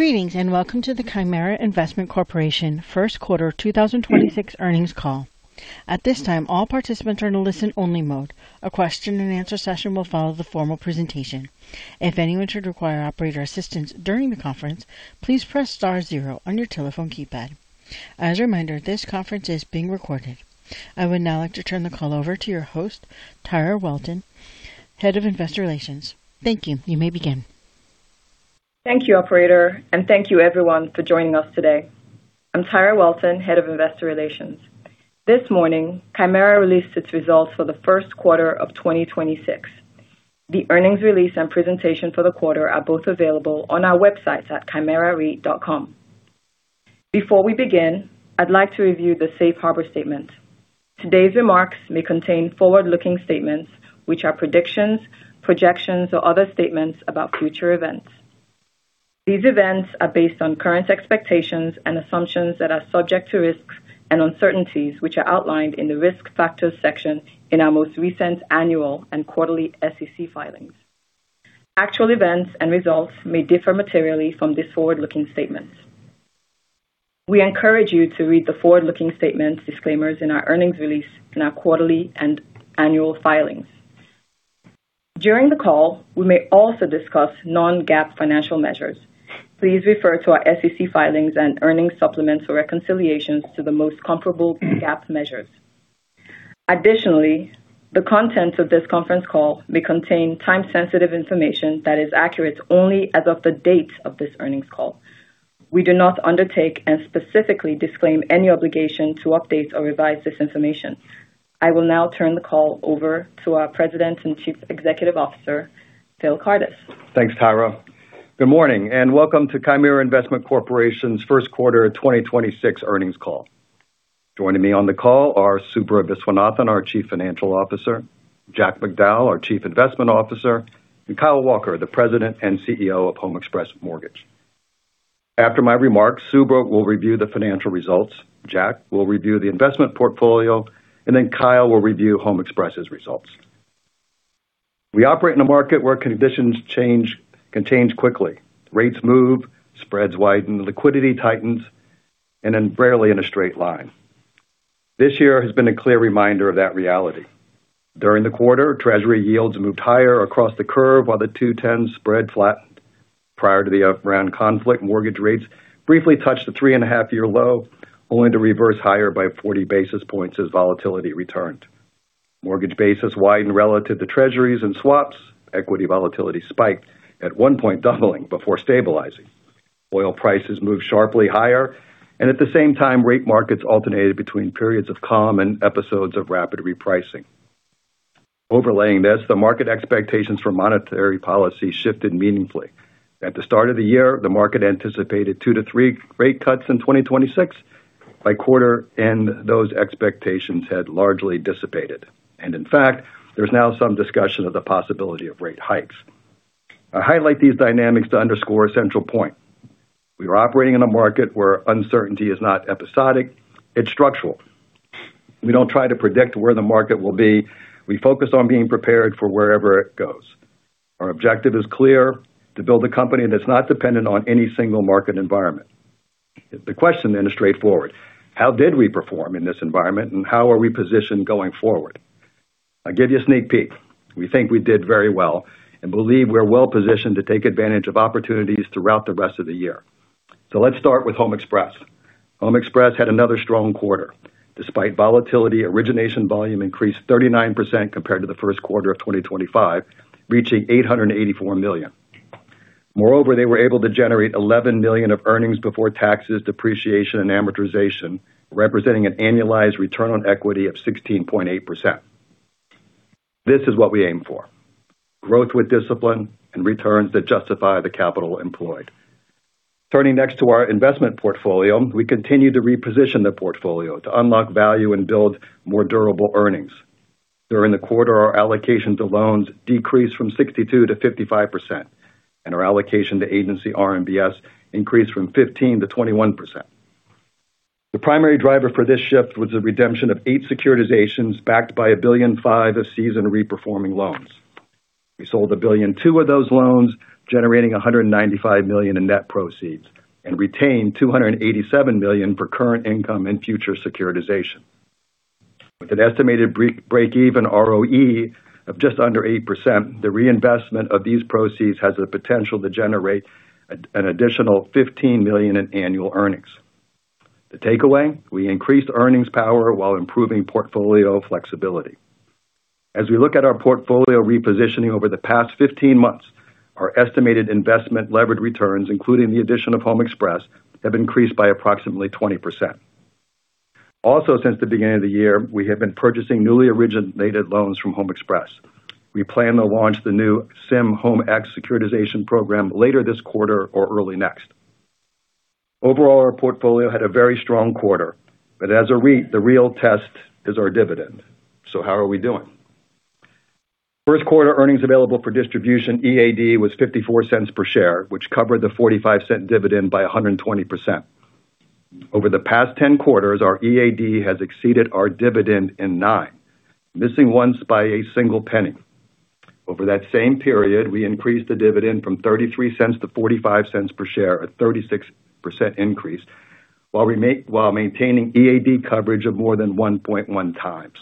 Greetings, and welcome to the Chimera Investment Corporation first quarter 2026 earnings call. At this time, all participants are in a listen-only mode. A question-and-answer session will follow the formal presentation. If anyone should require operator assistance during the conference, please press star zero on your telephone keypad. As a reminder, this conference is being recorded. I would now like to turn the call over to your host, Tyra Walton, Head of Investor Relations. Thank you. You may begin. Thank you, operator, and thank you everyone for joining us today. I'm Tyra Walton, Head of Investor Relations. This morning, Chimera released its results for the first quarter of 2026. The earnings release and presentation for the quarter are both available on our website at chimerareit.com. Before we begin, I'd like to review the safe harbor statement. Today's remarks may contain forward-looking statements, which are predictions, projections, or other statements about future events. These events are based on current expectations and assumptions that are subject to risks and uncertainties, which are outlined in the Risk Factors section in our most recent annual and quarterly SEC filings. Actual events and results may differ materially from these forward-looking statements. We encourage you to read the forward-looking statements disclaimers in our earnings release in our quarterly and annual filings. During the call, we may also discuss non-GAAP financial measures. Please refer to our SEC filings and earnings supplements or reconciliations to the most comparable GAAP measures. Additionally, the contents of this conference call may contain time-sensitive information that is accurate only as of the date of this earnings call. We do not undertake and specifically disclaim any obligation to update or revise this information. I will now turn the call over to our President and Chief Executive Officer, Phillip Kardis. Thanks, Tyra. Good morning, welcome to Chimera Investment Corporation's first quarter 2026 earnings call. Joining me on the call are Subra Viswanathan, our Chief Financial Officer, Jack Macdowell, our Chief Investment Officer, and Kyle Walker, the President and CEO of HomeXpress Mortgage. After my remarks, Subra will review the financial results, Jack will review the investment portfolio, Kyle will review HomeXpress's results. We operate in a market where conditions can change quickly. Rates move, spreads widen, liquidity tightens, rarely in a straight line. This year has been a clear reminder of that reality. During the quarter, Treasury yields moved higher across the curve while the 2/10s spread flattened. Prior to the Iran conflict, mortgage rates briefly touched a 3.5 year low, only to reverse higher by 40 basis points as volatility returned. Mortgage basis widened relative to Treasuries and swaps. Equity volatility spiked, at one point doubling before stabilizing. Oil prices moved sharply higher, and at the same time, rate markets alternated between periods of calm and episodes of rapid repricing. Overlaying this, the market expectations for monetary policy shifted meaningfully. At the start of the year, the market anticipated two to three rate cuts in 2026. By quarter end, those expectations had largely dissipated. In fact, there's now some discussion of the possibility of rate hikes. I highlight these dynamics to underscore a central point. We are operating in a market where uncertainty is not episodic, it's structural. We don't try to predict where the market will be. We focus on being prepared for wherever it goes. Our objective is clear: to build a company that's not dependent on any single market environment. The question is straightforward: How did we perform in this environment, and how are we positioned going forward? I'll give you a sneak peek. We think we did very well and believe we're well-positioned to take advantage of opportunities throughout the rest of the year. Let's start with HomeXpress. HomeXpress had another strong quarter. Despite volatility, origination volume increased 39% compared to the first quarter of 2025, reaching $884 million. Moreover, they were able to generate $11 million of earnings before taxes, depreciation, and amortization, representing an annualized return on equity of 16.8%. This is what we aim for, growth with discipline and returns that justify the capital employed. Turning next to our investment portfolio, we continue to reposition the portfolio to unlock value and build more durable earnings. During the quarter, our allocation to loans decreased from 62% to 55%, and our allocation to Agency RMBS increased from 15% to 21%. The primary driver for this shift was the redemption of eight securitizations backed by $1.5 billion of season re-performing loans. We sold $1.2 billion of those loans, generating $195 million in net proceeds, and retained $287 million for current income and future securitization. With an estimated break-even ROE of just under 8%, the reinvestment of these proceeds has the potential to generate an additional $15 million in annual earnings. The takeaway, we increased earnings power while improving portfolio flexibility. As we look at our portfolio repositioning over the past 15 months, our estimated investment levered returns, including the addition of HomeXpress, have increased by approximately 20%. Since the beginning of the year, we have been purchasing newly originated loans from HomeXpress. We plan to launch the new CIM HomeX securitization program later this quarter or early next. Overall, our portfolio had a very strong quarter, as a REIT, the real test is our dividend. How are we doing? First quarter earnings available for distribution, EAD, was $0.54 per share, which covered the $0.45 dividend by 120%. Over the past 10 quarters, our EAD has exceeded our dividend in nine, missing once by $0.01. Over that same period, we increased the dividend from $0.33 to $0.45 per share at 36% increase while maintaining EAD coverage of more than 1.1 times.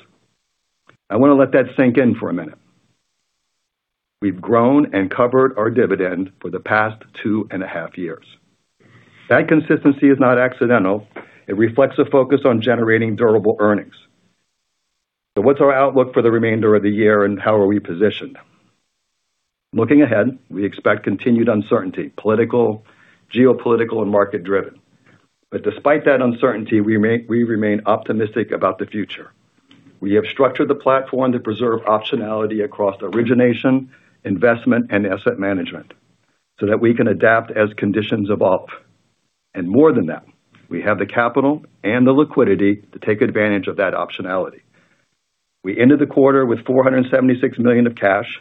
I want to let that sink in for a minute. We've grown and covered our dividend for the past 2.5 years. That consistency is not accidental. It reflects a focus on generating durable earnings. What's our outlook for the remainder of the year and how are we positioned? Looking ahead, we expect continued uncertainty, political, geopolitical, and market-driven. Despite that uncertainty, we remain optimistic about the future. We have structured the platform to preserve optionality across origination, investment, and asset management so that we can adapt as conditions evolve. More than that, we have the capital and the liquidity to take advantage of that optionality. We ended the quarter with $476 million of cash,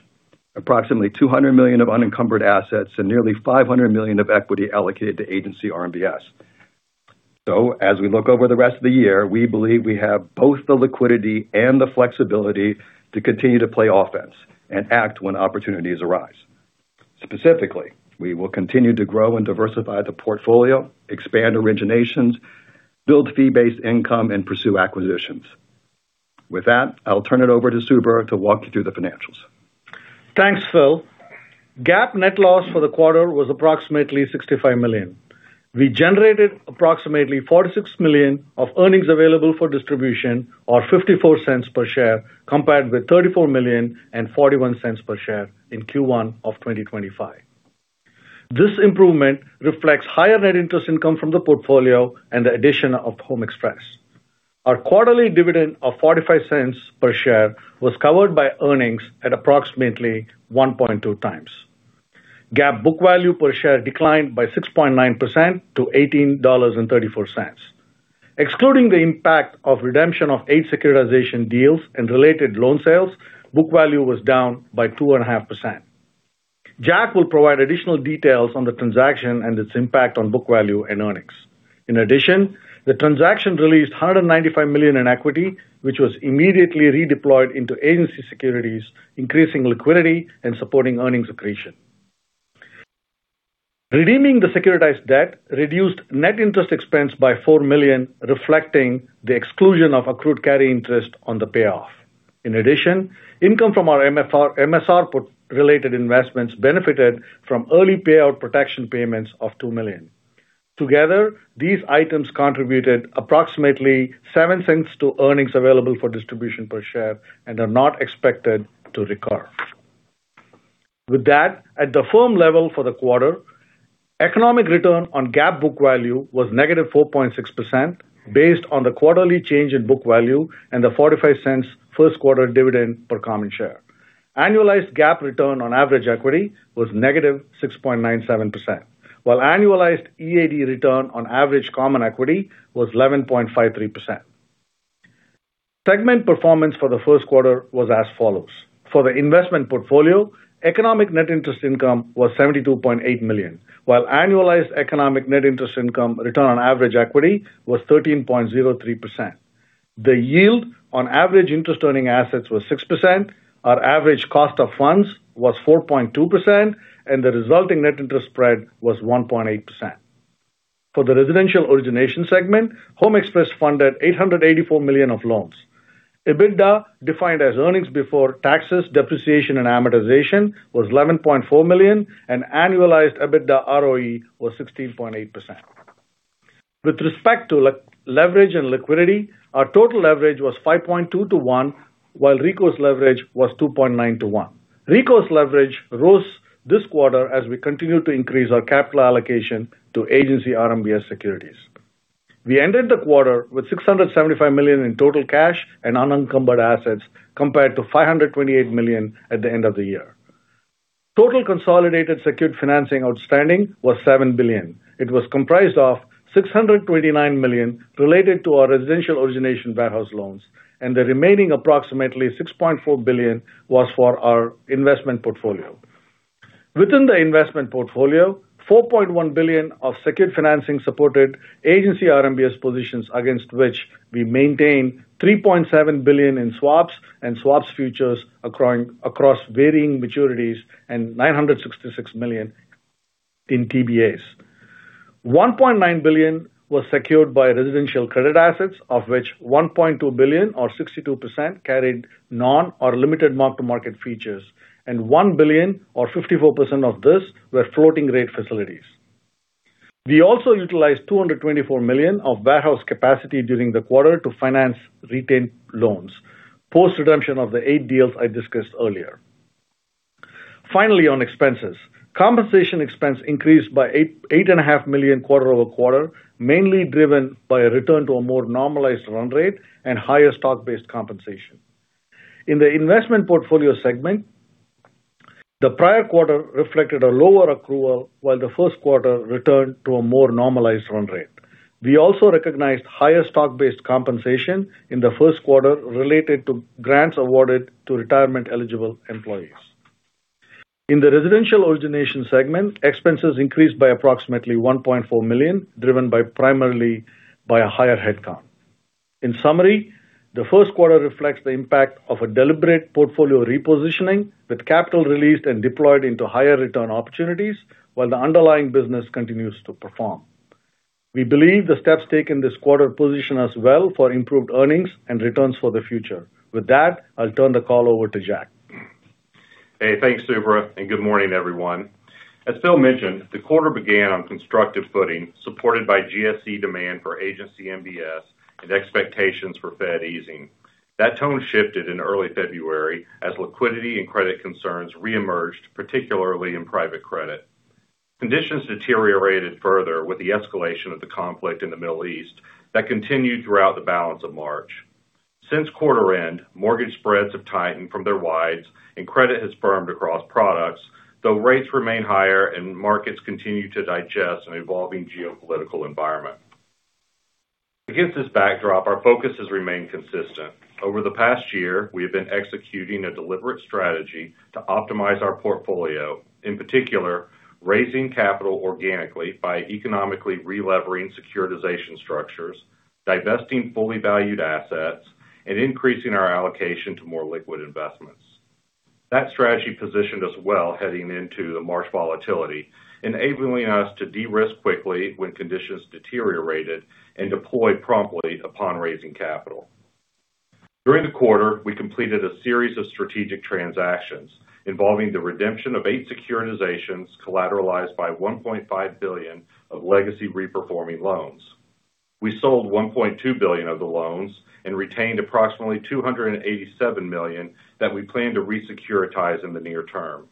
approximately $200 million of unencumbered assets, and nearly $500 million of equity allocated to Agency RMBS. As we look over the rest of the year, we believe we have both the liquidity and the flexibility to continue to play offense and act when opportunities arise. Specifically, we will continue to grow and diversify the portfolio, expand originations, build fee-based income, and pursue acquisitions. With that, I'll turn it over to Subra to walk you through the financials. Thanks, Phil. GAAP net loss for the quarter was approximately $65 million. We generated approximately $46 million of earnings available for distribution or $0.54 per share, compared with $34 million and $0.41 per share in Q1 of 2025. This improvement reflects higher net interest income from the portfolio and the addition of HomeXpress. Our quarterly dividend of $0.45 per share was covered by earnings at approximately 1.2 times. GAAP book value per share declined by 6.9% to $18.34. Excluding the impact of redemption of eight securitization deals and related loan sales, book value was down by 2.5%. Jack will provide additional details on the transaction and its impact on book value and earnings. In addition, the transaction released $195 million in equity, which was immediately redeployed into Agency securities, increasing liquidity and supporting earnings accretion. Redeeming the securitized debt reduced net interest expense by $4 million, reflecting the exclusion of accrued carry interest on the payoff. In addition, income from our MSR put related investments benefited from early payout protection payments of $2 million. Together, these items contributed approximately $0.07 to earnings available for distribution per share and are not expected to recur. With that, at the firm level for the quarter, economic return on GAAP book value was -4.6% based on the quarterly change in book value and the $0.45 first quarter dividend per common share. Annualized GAAP return on average equity was -6.97%, while annualized EAD return on average common equity was 11.53%. Segment performance for the first quarter was as follows: For the investment portfolio, economic net interest income was $72.8 million, while annualized economic net interest income return on average equity was 13.03%. The yield on average interest earning assets was 6%, our average cost of funds was 4.2%, and the resulting net interest spread was 1.8%. For the residential origination segment, HomeXpress funded $884 million of loans. EBITDA, defined as earnings before taxes, depreciation, and amortization, was $11.4 million, and annualized EBITDA ROE was 16.8%. With respect to leverage and liquidity, our total leverage was 5.2/1, while recourse leverage was 2.9/1. Recourse leverage rose this quarter as we continued to increase our capital allocation to Agency RMBS securities. We ended the quarter with $675 million in total cash and unencumbered assets, compared to $528 million at the end of the year. Total consolidated secured financing outstanding was $7 billion. It was comprised of $629 million related to our residential origination warehouse loans, and the remaining approximately $6.4 billion was for our investment portfolio. Within the investment portfolio, $4.1 billion of secured financing supported Agency RMBS positions against which we maintain $3.7 billion in swaps and swaps futures accruing across varying maturities and $966 million in TBAs. $1.9 billion was secured by residential credit assets, of which $1.2 billion or 62% carried non or limited mark-to-market features, and $1 billion or 54% of this were floating rate facilities. We also utilized $224 million of warehouse capacity during the quarter to finance retained loans, post-redemption of the eight deals I discussed earlier. Finally, on expenses. Compensation expense increased by $8.5 million quarter-over-quarter, mainly driven by a return to a more normalized run rate and higher stock-based compensation. In the investment portfolio segment, the prior quarter reflected a lower accrual while the first quarter returned to a more normalized run rate. We also recognized higher stock-based compensation in the first quarter related to grants awarded to retirement-eligible employees. In the residential origination segment, expenses increased by approximately $1.4 million, driven primarily by a higher headcount. In summary, the first quarter reflects the impact of a deliberate portfolio repositioning with capital released and deployed into higher return opportunities while the underlying business continues to perform. We believe the steps taken this quarter position us well for improved earnings and returns for the future. With that, I'll turn the call over to Jack. Hey, thanks, Subra. Good morning, everyone. As Phil mentioned, the quarter began on constructive footing, supported by GSE demand for Agency MBS and expectations for Fed easing. That tone shifted in early February as liquidity and credit concerns re-emerged, particularly in private credit. Conditions deteriorated further with the escalation of the conflict in the Middle East that continued throughout the balance of March. Since quarter end, mortgage spreads have tightened from their wides and credit has firmed across products, though rates remain higher and markets continue to digest an evolving geopolitical environment. Against this backdrop, our focus has remained consistent. Over the past year, we have been executing a deliberate strategy to optimize our portfolio, in particular, raising capital organically by economically relevering securitization structures, divesting fully valued assets, and increasing our allocation to more liquid investments. That strategy positioned us well heading into the March volatility, enabling us to de-risk quickly when conditions deteriorated and deploy promptly upon raising capital. During the quarter, we completed a series of strategic transactions involving the redemption of eight securitizations collateralized by $1.5 billion of legacy re-performing loans. We sold $1.2 billion of the loans and retained approximately $287 million that we plan to re-securitize in the near term.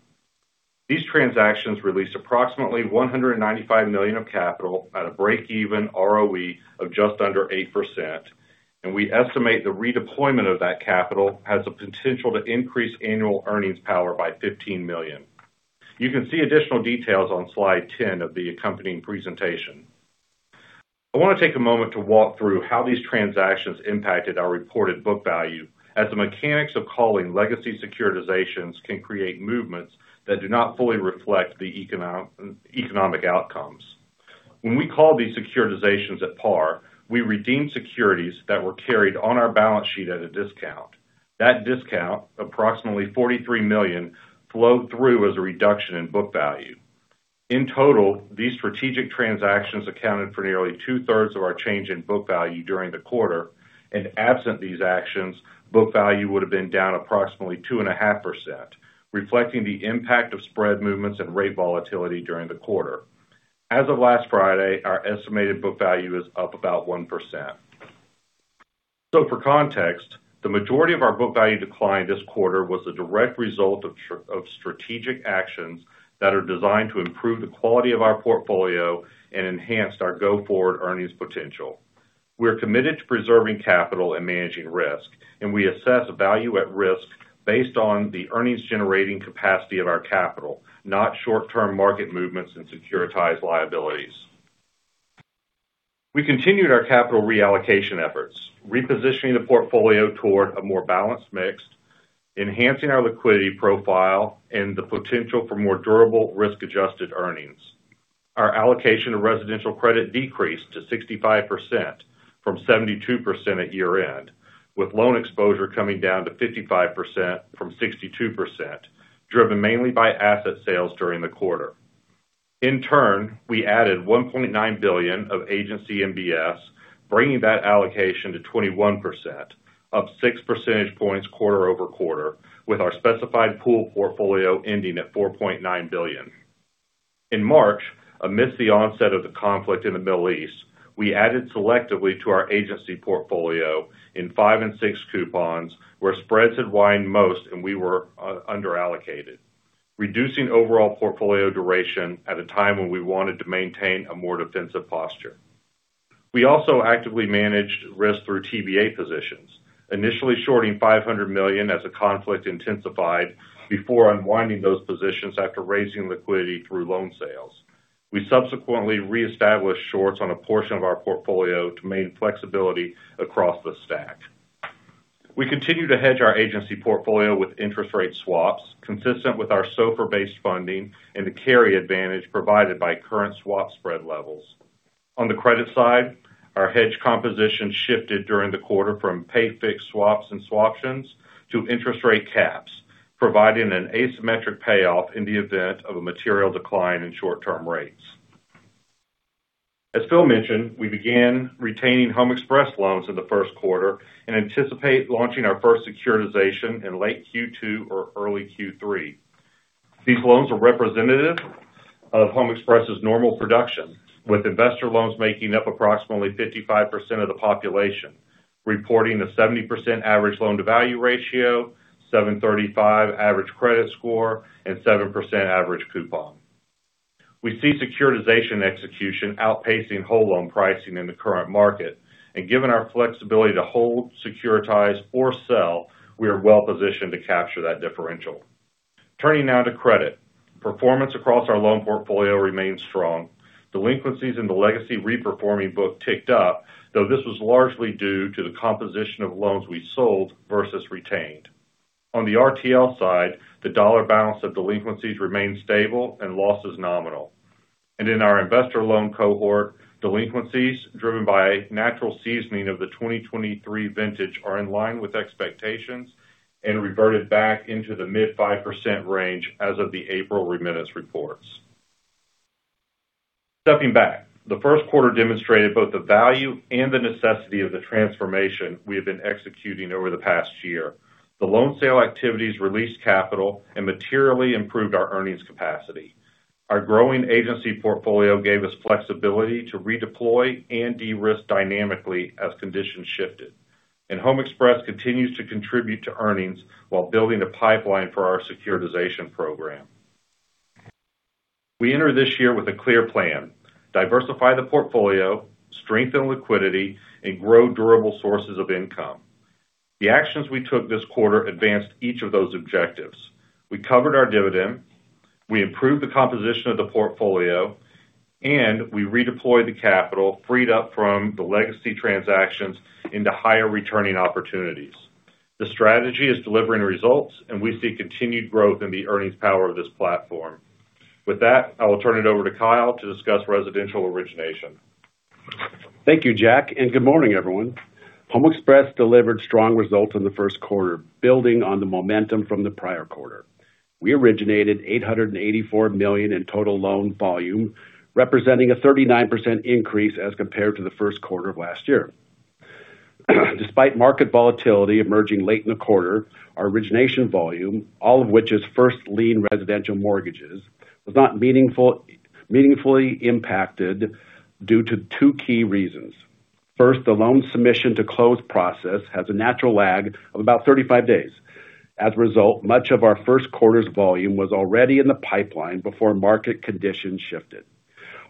These transactions released approximately $195 million of capital at a break-even ROE of just under 8%, and we estimate the redeployment of that capital has the potential to increase annual earnings power by $15 million. You can see additional details on slide 10 of the accompanying presentation. I want to take a moment to walk through how these transactions impacted our reported book value, as the mechanics of calling legacy securitizations can create movements that do not fully reflect the economic outcomes. When we call these securitizations at par, we redeem securities that were carried on our balance sheet at a discount. That discount, approximately $43 million, flowed through as a reduction in book value. In total, these strategic transactions accounted for nearly two-thirds of our change in book value during the quarter, and absent these actions, book value would have been down approximately 2.5%, reflecting the impact of spread movements and rate volatility during the quarter. As of last Friday, our estimated book value is up about 1%. For context, the majority of our book value decline this quarter was a direct result of strategic actions that are designed to improve the quality of our portfolio and enhanced our go-forward earnings potential. We are committed to preserving capital and managing risk, and we assess value at risk based on the earnings-generating capacity of our capital, not short-term market movements and securitized liabilities. We continued our capital reallocation efforts, repositioning the portfolio toward a more balanced mix, enhancing our liquidity profile and the potential for more durable risk-adjusted earnings. Our allocation of residential credit decreased to 65% from 72% at year-end, with loan exposure coming down to 55% from 62%, driven mainly by asset sales during the quarter. In turn, we added $1.9 billion of Agency MBS, bringing that allocation to 21%, up six percentage points quarter-over-quarter, with our specified pool portfolio ending at $4.9 billion. In March, amidst the onset of the conflict in the Middle East, we added selectively to our agency portfolio in five and six coupons, where spreads had widened most and we were under-allocated, reducing overall portfolio duration at a time when we wanted to maintain a more defensive posture. We also actively managed risk through TBA positions, initially shorting $500 million as the conflict intensified before unwinding those positions after raising liquidity through loan sales. We subsequently reestablished shorts on a portion of our portfolio to maintain flexibility across the stack. We continue to hedge our Agency portfolio with interest rate swaps consistent with our SOFR-based funding and the carry advantage provided by current swap spread levels. On the credit side, our hedge composition shifted during the quarter from pay fixed swaps and swaptions to interest rate caps, providing an asymmetric payoff in the event of a material decline in short-term rates. As Phil mentioned, we began retaining HomeXpress loans in the first quarter and anticipate launching our first securitization in late Q2 or early Q3. These loans are representative of HomeXpress's normal production, with investor loans making up approximately 55% of the population, reporting a 70% average loan-to-value ratio, 735 average credit score, and 7% average coupon. We see securitization execution outpacing whole loan pricing in the current market, and given our flexibility to hold, securitize, or sell, we are well positioned to capture that differential. Turning now to credit. Performance across our loan portfolio remains strong. Delinquencies in the legacy re-performing book ticked up, though this was largely due to the composition of loans we sold versus retained. On the RTL side, the dollar balance of delinquencies remained stable and losses nominal. In our investor loan cohort, delinquencies driven by natural seasoning of the 2023 vintage are in line with expectations and reverted back into the mid-5% range as of the April remittance reports. Stepping back, the first quarter demonstrated both the value and the necessity of the transformation we have been executing over the past year. The loan sale activities released capital and materially improved our earnings capacity. Our growing agency portfolio gave us flexibility to redeploy and de-risk dynamically as conditions shifted. HomeXpress continues to contribute to earnings while building a pipeline for our securitization program. We entered this year with a clear plan: diversify the portfolio, strengthen liquidity, and grow durable sources of income. The actions we took this quarter advanced each of those objectives. We covered our dividend, we improved the composition of the portfolio, and we redeployed the capital freed up from the legacy transactions into higher returning opportunities. The strategy is delivering results, and we see continued growth in the earnings power of this platform. With that, I will turn it over to Kyle to discuss residential origination. Thank you, Jack, and good morning, everyone. HomeXpress delivered strong results in the first quarter, building on the momentum from the prior quarter. We originated $884 million in total loan volume, representing a 39% increase as compared to the first quarter of last year. Despite market volatility emerging late in the quarter, our origination volume, all of which is first lien residential mortgages, was not meaningfully impacted due to two key reasons. First, the loan submission to close process has a natural lag of about 35 days. As a result, much of our first quarter's volume was already in the pipeline before market conditions shifted.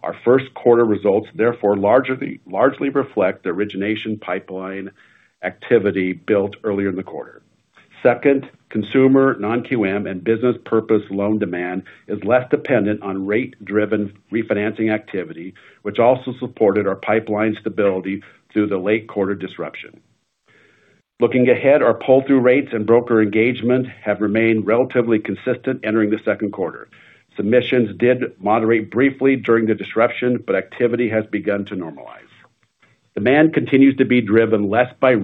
Our first quarter results therefore largely reflect the origination pipeline activity built earlier in the quarter. Second, consumer non-QM and business purpose loan demand is less dependent on rate-driven refinancing activity, which also supported our pipeline stability through the late quarter disruption. Looking ahead, our pull-through rates and broker engagement have remained relatively consistent entering the second quarter. Submissions did moderate briefly during the disruption, but activity has begun to normalize. Demand continues to be driven less by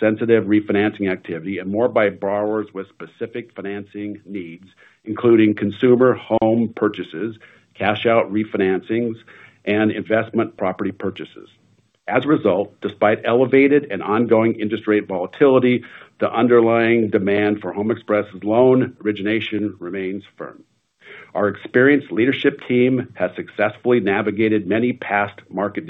rate-sensitive refinancing activity and more by borrowers with specific financing needs, including consumer home purchases, cash-out refinancings, and investment property purchases. As a result, despite elevated and ongoing interest rate volatility, the underlying demand for HomeXpress's loan origination remains firm. Our experienced leadership team has successfully navigated many past market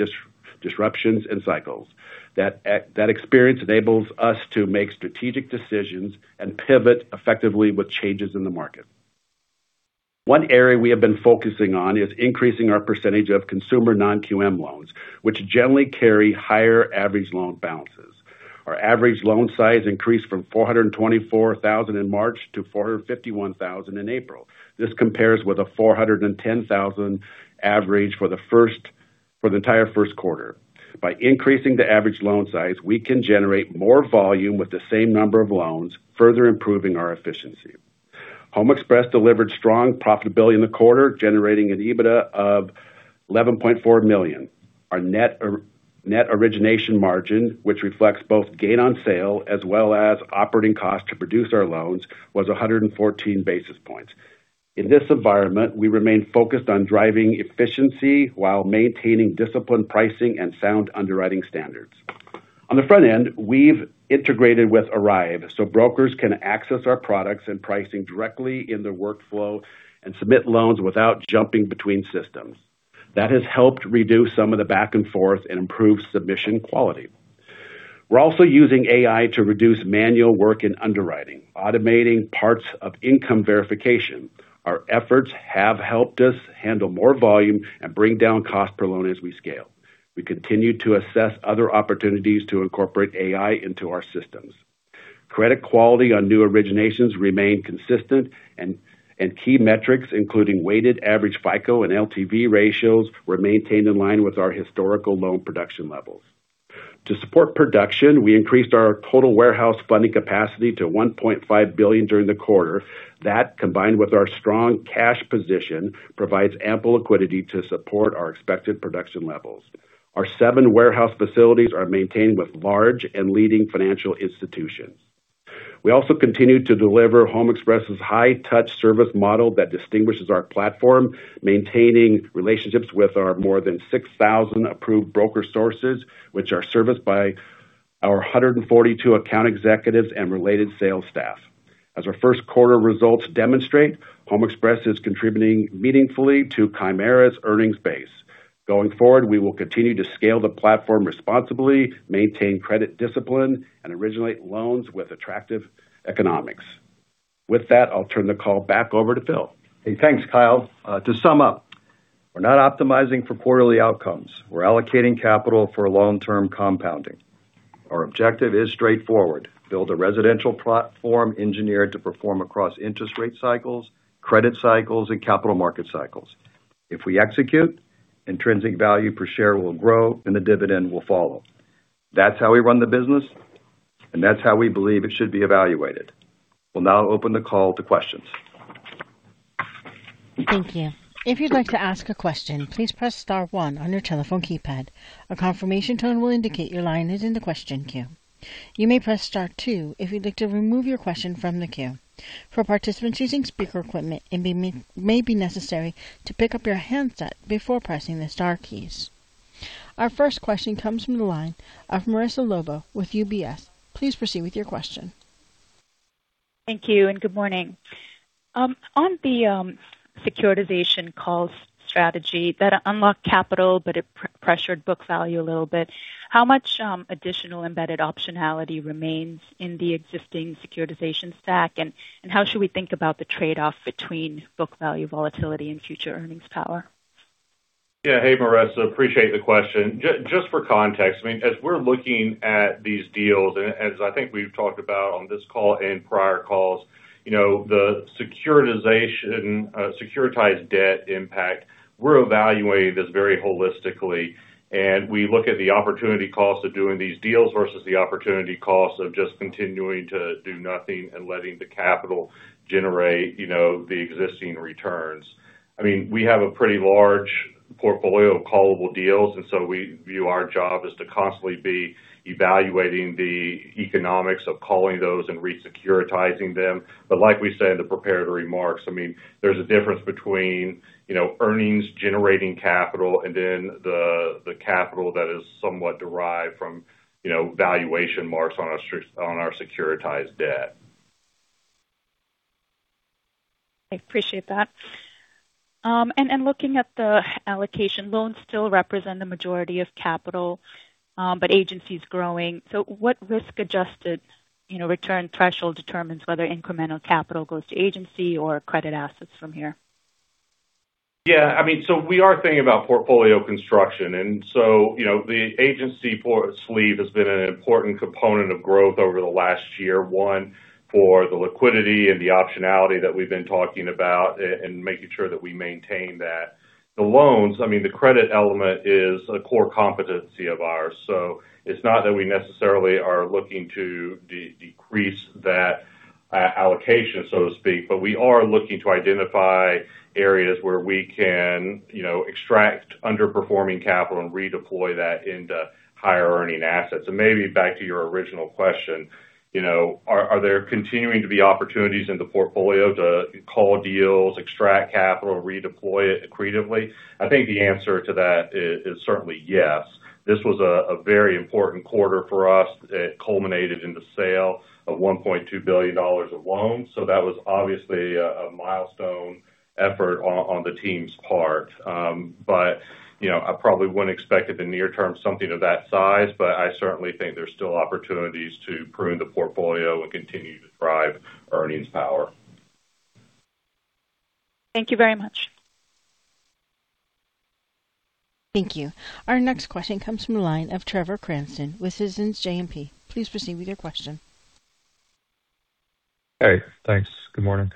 disruptions and cycles. That experience enables us to make strategic decisions and pivot effectively with changes in the market. One area we have been focusing on is increasing our percentage of consumer non-QM loans, which generally carry higher average loan balances. Our average loan size increased from $424,000 in March to $451,000 in April. This compares with a $410,000 average for the entire first quarter. By increasing the average loan size, we can generate more volume with the same number of loans, further improving our efficiency. HomeXpress delivered strong profitability in the quarter, generating an EBITDA of $11.4 million. Our net origination margin, which reflects both gain on sale as well as operating costs to produce our loans, was 114 basis points. In this environment, we remain focused on driving efficiency while maintaining disciplined pricing and sound underwriting standards. On the front end, we've integrated with ARIVE, brokers can access our products and pricing directly in their workflow and submit loans without jumping between systems. That has helped reduce some of the back and forth and improve submission quality. We're also using AI to reduce manual work in underwriting, automating parts of income verification. Our efforts have helped us handle more volume and bring down cost per loan as we scale. We continue to assess other opportunities to incorporate AI into our systems. Credit quality on new originations remain consistent and key metrics, including weighted average FICO and LTV ratios, were maintained in line with our historical loan production levels. To support production, we increased our total warehouse funding capacity to $1.5 billion during the quarter. That, combined with our strong cash position, provides ample liquidity to support our expected production levels. Our seven warehouse facilities are maintained with large and leading financial institutions. We also continue to deliver HomeXpress's high-touch service model that distinguishes our platform, maintaining relationships with our more than 6,000 approved broker sources, which are serviced by our 142 account executives and related sales staff. As our first quarter results demonstrate, HomeXpress is contributing meaningfully to Chimera's earnings base. Going forward, we will continue to scale the platform responsibly, maintain credit discipline, and originate loans with attractive economics. With that, I'll turn the call back over to Phil. Hey, thanks, Kyle. To sum up, we're not optimizing for quarterly outcomes. We're allocating capital for long-term compounding. Our objective is straightforward, build a residential platform engineered to perform across interest rate cycles, credit cycles, and capital market cycles. If we execute, intrinsic value per share will grow and the dividend will follow. That's how we run the business, and that's how we believe it should be evaluated. We'll now open the call to questions. Thank you. If you'd like to ask a question, please press star one on your telephone keypad. A confirmation tone will indicate your line is in the question queue. You may press star two if you'd like to remove your question from the queue. For participants using speaker equipment, it may be necessary to pick up your handset before pressing the star keys. Our first question comes from the line of Marissa Lobo with UBS. Please proceed with your question. Thank you, and good morning. On the securitization calls strategy that unlock capital, it pressured book value a little bit. How much additional embedded optionality remains in the existing securitization stack? How should we think about the trade-off between book value volatility and future earnings power? Yeah. Hey, Marissa, appreciate the question. Just for context, I mean, as we're looking at these deals, and as I think we've talked about on this call and prior calls, you know, the securitized debt impact, we're evaluating this very holistically. We look at the opportunity cost of doing these deals versus the opportunity cost of just continuing to do nothing and letting the capital generate, you know, the existing returns. I mean, we have a pretty large portfolio of callable deals, and so we view our job as to constantly be evaluating the economics of calling those and re-securitizing them. Like we said in the prepared remarks, I mean, there's a difference between, you know, earnings generating capital and then the capital that is somewhat derived from, you know, valuation marks on our securitized debt. I appreciate that. Looking at the allocation, loans still represent the majority of capital, but Agency is growing. What risk-adjusted, you know, return threshold determines whether incremental capital goes to Agency or credit assets from here? Yeah, I mean, we are thinking about portfolio construction. You know, the Agency sleeve has been an important component of growth over the last year. One, for the liquidity and the optionality that we've been talking about and making sure that we maintain that. The loans, I mean, the credit element is a core competency of ours. It's not that we necessarily are looking to de-decrease that allocation, so to speak, but we are looking to identify areas where we can, you know, extract underperforming capital and redeploy that into higher earning assets. Maybe back to your original question, you know, are there continuing to be opportunities in the portfolio to call deals, extract capital, redeploy it accretively? I think the answer to that is certainly yes. This was a very important quarter for us. It culminated in the sale of $1.2 billion of loans. That was obviously a milestone effort on the team's part. You know, I probably wouldn't expect in the near term something of that size, but I certainly think there's still opportunities to prune the portfolio and continue to drive earnings power. Thank you very much. Thank you. Our next question comes from the line of Trevor Cranston with Citizens JMP. Please proceed with your question. Hey. Thanks. Good morning.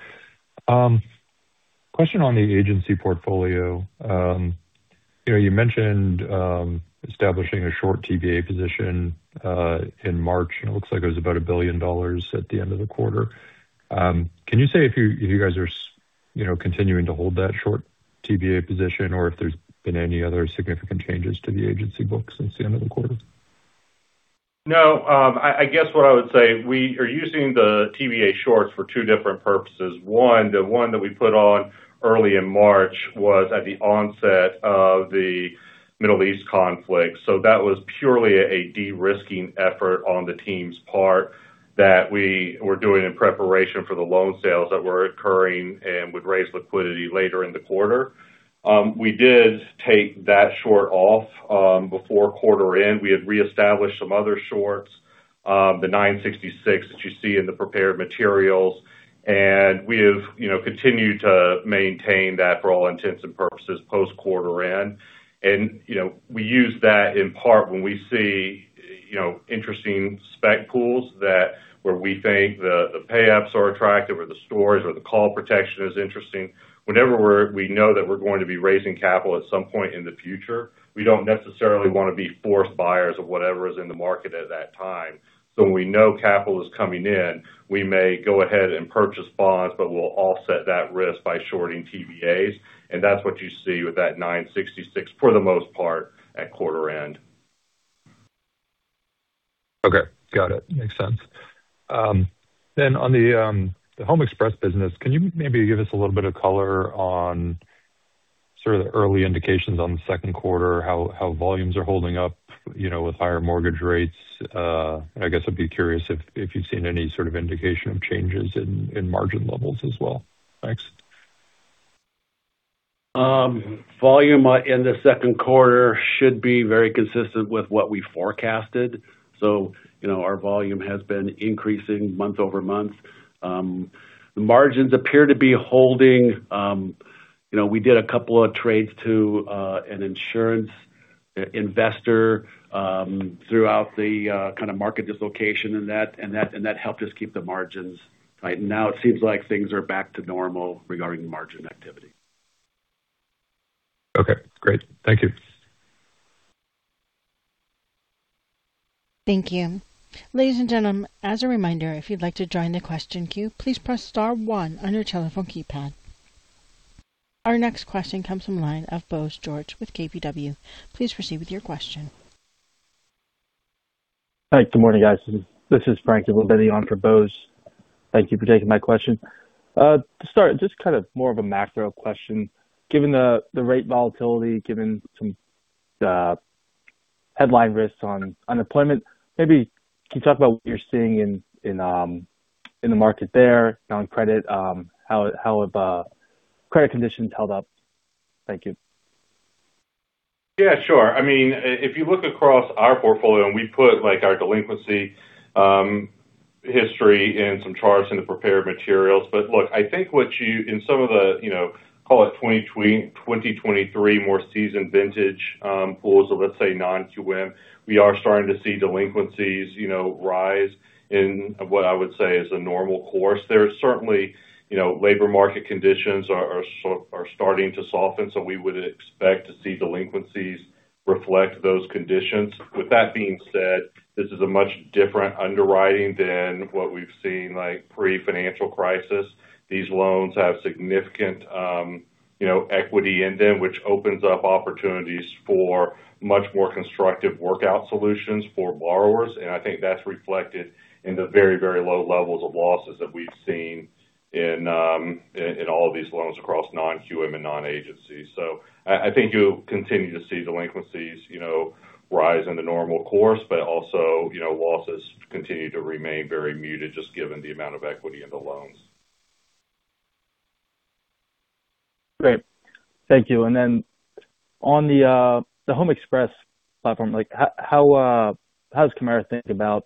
Question on the Agency portfolio. You know, you mentioned establishing a short TBA position in March. It looks like it was about $1 billion at the end of the quarter. Can you say if you know, continuing to hold that short TBA position or if there's been any other significant changes to the Agency books since the end of the quarter? No. I guess what I would say, we are using the TBA shorts for two different purposes. One, the one that we put on early in March was at the onset of the Middle East conflict. That was purely a de-risking effort on the team's part that we were doing in preparation for the loan sales that were occurring and would raise liquidity later in the quarter. We did take that short off before quarter end. We had reestablished some other shorts, the 966 that you see in the prepared materials. We have, you know, continued to maintain that for all intents and purposes post-quarter end. We use that in part when we see, you know, interesting spec pools that where we think the payups are attractive or the stories or the call protection is interesting. Whenever we know that we're going to be raising capital at some point in the future, we don't necessarily want to be forced buyers of whatever is in the market at that time. When we know capital is coming in, we may go ahead and purchase bonds, but we'll offset that risk by shorting TBAs. That's what you see with that 966 for the most part at quarter end. Okay. Got it. Makes sense. On the HomeXpress business, can you maybe give us a little bit of color on sort of the early indications on the second quarter, how volumes are holding up, you know, with higher mortgage rates? I guess I'd be curious if you've seen any sort of indication of changes in margin levels as well. Thanks. Volume in the second quarter should be very consistent with what we forecasted. You know, our volume has been increasing month-over-month. The margins appear to be holding. You know, we did a couple of trades to an insurance investor throughout the kind of market dislocation and that helped us keep the margins. Right now, it seems like things are back to normal regarding margin activity. Okay, great. Thank you. Thank you. Ladies and gentlemen as a reminder if you would like to join the question queue please press star one in your telephone keypad. Our next question comes from line of Bose George with KBW. Please proceed with your question. Hi, good morning, guys. This is Frank Libutti on for Bose. Thank you for taking my question. To start, just kind of more of a macro question. Given the rate volatility, given some, the headline risks on unemployment, maybe can you talk about what you're seeing in the market there, non-QM, how have credit conditions held up? Thank you. Yeah, sure. I mean, if you look across our portfolio and we put like our delinquency history in some charts in the prepared materials. Look, I think in some of the, you know, call it 2023 more seasoned vintage pools of, let's say, non-QM, we are starting to see delinquencies, you know, rise in what I would say is a normal course. There are certainly, you know, labor market conditions are starting to soften, so we would expect to see delinquencies reflect those conditions. With that being said, this is a much different underwriting than what we've seen like pre-financial crisis. These loans have significant, you know, equity in them, which opens up opportunities for much more constructive workout solutions for borrowers. I think that's reflected in the very, very low levels of losses that we've seen in all of these loans across non-QM and non-agencies. I think you'll continue to see delinquencies, you know, rise in the normal course, but also, you know, losses continue to remain very muted just given the amount of equity in the loans. Great. Thank you. On the HomeXpress platform, like how does Chimera think about,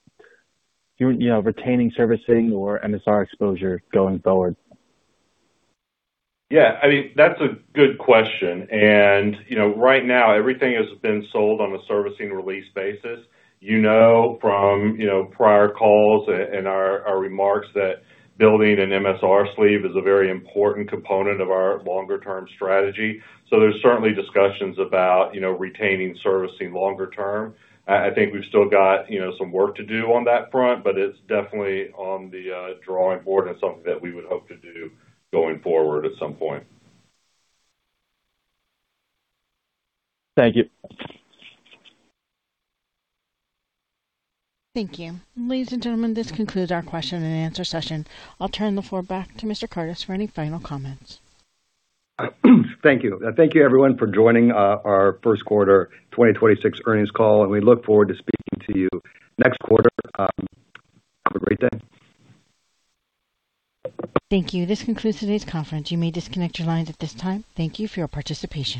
you know, retaining servicing or MSR exposure going forward? Yeah, I mean, that's a good question. You know, right now everything has been sold on a servicing release basis. You know, from, you know, prior calls and our remarks that building an MSR sleeve is a very important component of our longer-term strategy. There's certainly discussions about, you know, retaining servicing longer term. I think we've still got, you know, some work to do on that front, but it's definitely on the drawing board and something that we would hope to do going forward at some point. Thank you. Thank you. Ladies and gentlemen, this concludes our question-and-answer session. I'll turn the floor back to Mr. Kardis for any final comments. Thank you. Thank you everyone for joining, our first quarter 2026 earnings call. We look forward to speaking to you next quarter. Have a great day. Thank you. This concludes today's conference. You may disconnect your lines at this time. Thank you for your participation.